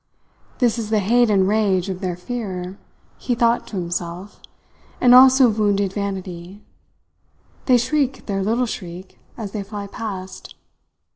"This is the hate and rage of their fear," he thought to himself, "and also of wounded vanity. They shriek their little shriek as they fly past.